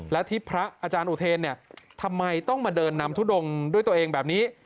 และที่พระอาจารย์อุเทนทำไมต้องมาเดินนำทุดงด้วยตัวเองแบบนี้